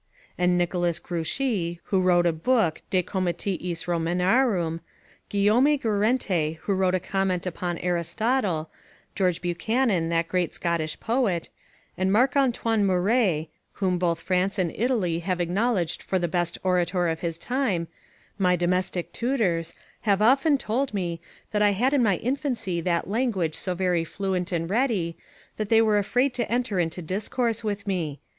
And Nicolas Grouchy, who wrote a book De Comitiis Romanorum; Guillaume Guerente, who wrote a comment upon Aristotle: George Buchanan, that great Scottish poet: and Marc Antoine Muret (whom both France and Italy have acknowledged for the best orator of his time), my domestic tutors, have all of them often told me that I had in my infancy that language so very fluent and ready, that they were afraid to enter into discourse with me.